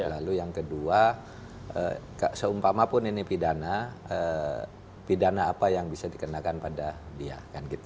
lalu yang kedua seumpama pun ini pidana pidana apa yang bisa dikenakan pada dia